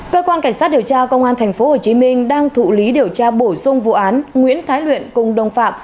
cơ quan cảnh sát điều tra công an tp hcm đang thụ lý điều tra bổ sung vụ án nguyễn thái luyện cùng đồng phạm